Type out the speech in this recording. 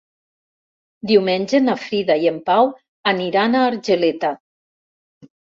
Diumenge na Frida i en Pau aniran a Argeleta.